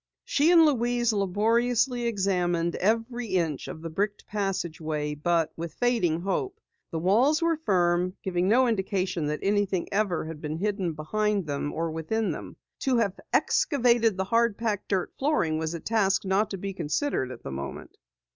She and Louise laboriously examined every inch of the bricked passageway but with fading hope. The walls were firm, giving no indication that anything ever had been hidden behind or within them. To have excavated the hard packed dirt flooring was a task not to be considered at the moment.